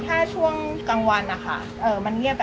ปกติไม่ค่อยเงียบค่ะ